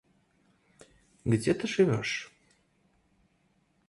Где ты живёшь?